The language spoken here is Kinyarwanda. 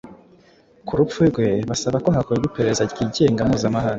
ku rupfu rwe, basaba ko hakorwa iperereza ryigenga mpuzamahanga.